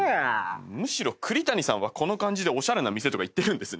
むしろ栗谷さんはこの感じでおしゃれな店とか行ってるんですね。